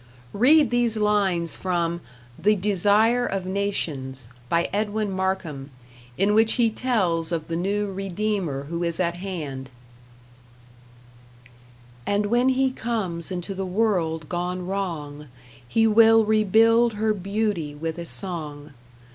Read these lines from "The Desire of Nations," by Edwin Markham, in which he tells of the new Redeemer who is at hand: And when he comes into the world gone wrong, He will rebuild her beauty with a song.